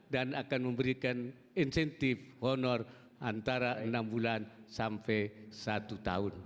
dan akan memberikan insentif honor antara enam bulan sampai satu tahun